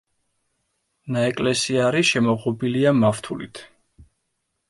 ნაეკლესიარი შემოღობილია მავთულით.